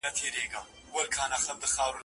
نن دي جهاني غزل ته نوی رنګ ورکړی دی